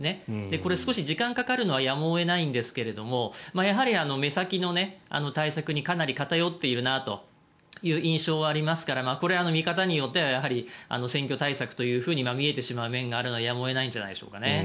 これ、少し時間がかかるのはやむを得ないんですがやはり目先の対策にかなり偏っているなという印象はありますからこれは見方によっては選挙対策というふうに見えてしまう面があるのはやむを得ないんじゃないでしょうかね。